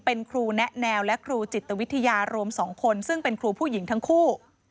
เป็นครูแนะแนวและครูจิตวิทยารวม๒คนซึ่งเป็นครูผู้หญิงทั้งคู่